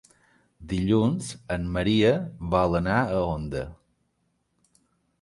Dilluns en Maria vol anar a Onda.